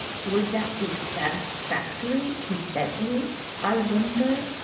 "Would that be satisfactory to Bentley, I wonder?"